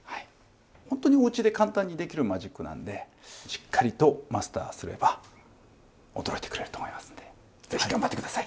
本当におうちで簡単にできるマジックなんでしっかりとマスターすれば驚いてくれると思いますんで是非頑張って下さい。